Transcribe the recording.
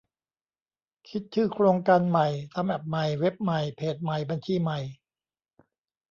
คิดชื่อโครงการใหม่ ทำแอปใหม่ เว็บใหม่ เพจใหม่ บัญชีใหม่